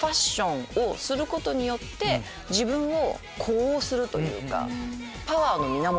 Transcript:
自分を呼応するというか。